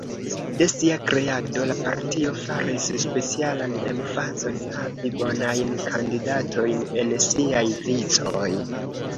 De sia kreado, la partio faris specialan emfazon havi bonajn kandidatojn en siaj vicoj.